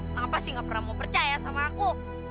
kenapa sih gak pernah mau percaya sama aku